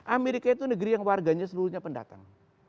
amerika itu negeri yang warganya seluruhnya pendatang